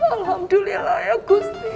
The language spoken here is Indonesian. alhamdulillah ya gusti